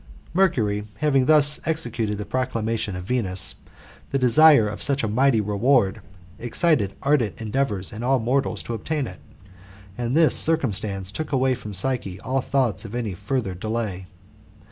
'' Mercury having thus executed the proclamation of Venus, the desire of such a mighty reward excited ardent endeavours in all mortals to obtain it, and this circumstance took away from Psyche all thoughts of any further delay.